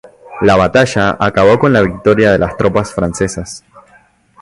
La batalla acabó con la victoria de las tropas francesas.